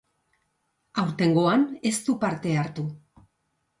Aurtengoan ez du parte hartu.